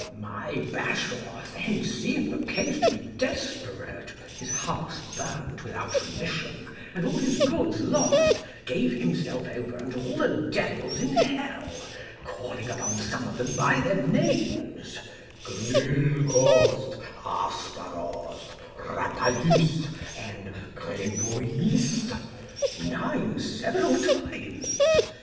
My Bashaw then seeing the case to be desperate, his house burnt without remission, and all his goods lost, gave himself over unto all the devils in hell, calling upon some of them by their names, Grilgoth, Astaroth, Rappalus, and Gribouillis, nine several times.